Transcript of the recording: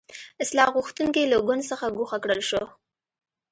اصلاح غوښتونکي له ګوند څخه ګوښه کړل شو.